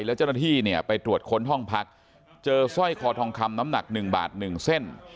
แล้วเจ้าหน้าที่เนี่ยไปตรวจค้นห้องพักเจอสร้อยคอทองคำน้ำหนัก๑บาท๑เส้น